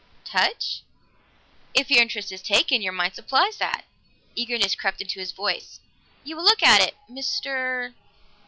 "Touch?" "If your interest is taken, your mind supplies that." Eagerness crept into his voice. "You will look at it, Mr.